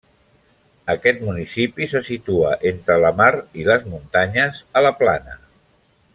Aquest municipi se situa entre la mar i les muntanyes, a la Plana.